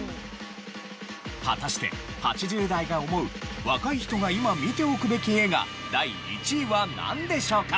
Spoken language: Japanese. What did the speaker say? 果たして８０代が思う若い人が今見ておくべき映画第１位はなんでしょうか？